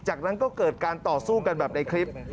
จากนั้นก็เกิดการต่อสู้กันแบบในคลิป